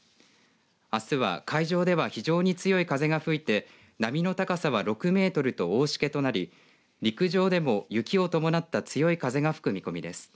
あすは海上では非常に強い風が吹いて波の高さは６メートルと大しけとなり陸上でも雪を伴った強い風が吹く見込みです。